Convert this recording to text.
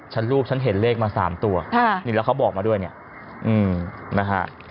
รูปฉันเห็นเลขมา๓ตัวนี่แล้วเขาบอกมาด้วยเนี่ยนะฮะ